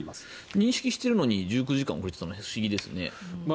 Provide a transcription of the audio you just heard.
認識しているのに１９時間遅れたのは不思議ですね。